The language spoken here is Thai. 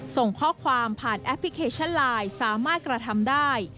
ส่งข้อความผ่านแอปพลิเคชันไลน์สามารถกระทำได้